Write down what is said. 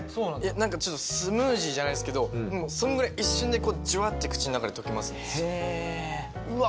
なんかちょっとスムージーじゃないですけどもうそんぐらい一瞬でジュワって口の中でとけますね